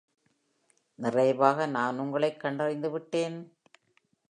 நிறைவாக, நான் உங்களைக் கண்டறிந்துவிட்டேன்!